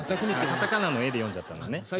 カタカナの「エ」で読んじゃったのね。